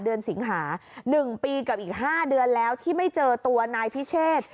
สิงหา๑ปีกับอีก๕เดือนแล้วที่ไม่เจอตัวนายพิเชษ